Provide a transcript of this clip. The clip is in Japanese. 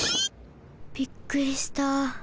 びっくりした。